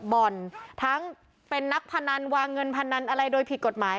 บ่อนทั้งเป็นนักพนันวางเงินพนันอะไรโดยผิดกฎหมาย